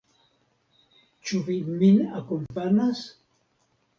Ĉu vi min akompanas?